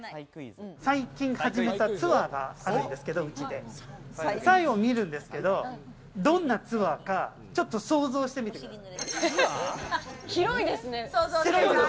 最近始めたツアーがあるんですけど、サイを見るんですけど、どんなツアーか想像してみてください。